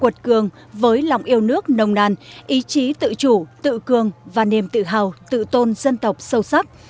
tổng yêu nước nồng nàn ý chí tự chủ tự cường và niềm tự hào tự tôn dân tộc sâu sắc